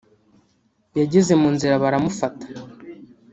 yageze mu nzira baramufata